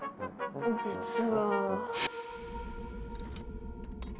実は。